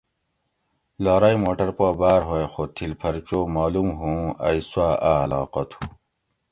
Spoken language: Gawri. لارئ موٹر پا بار ھوگ خو تھِل پھر چو مالوم ھؤوں ائ سوا اۤ علاقہ تھو